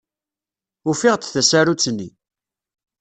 Ufiɣ-d tasarut-nni.